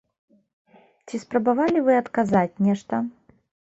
Ці спрабавалі вы адказаць нешта?